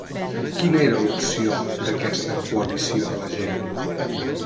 Quina era l'opinió d'aquesta coalició de la gent?